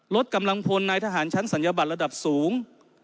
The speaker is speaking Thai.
ลดกำลังพลนายทหารชั้นศัลยบัตรระดับสูง